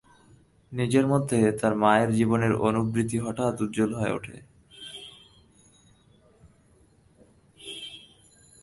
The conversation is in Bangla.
নিজের মধ্যে তার মায়ের জীবনের অনুবৃত্তি হঠাৎ উজ্জ্বল হয়ে ওঠে।